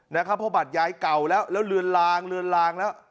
เพราะบัตรยายเก่าแล้วแล้วเลือนลางเลือนลางแล้ว